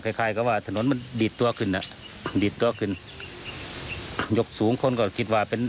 คล้ายกับว่าถนนมันดีดตัวขึ้นอ่ะดีดตัวขึ้นยกสูงคนก็คิดว่าเป็น